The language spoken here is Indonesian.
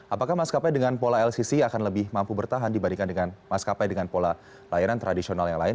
apakah maskapai dengan pola lcc akan lebih mampu bertahan dibandingkan dengan maskapai dengan pola layanan tradisional yang lain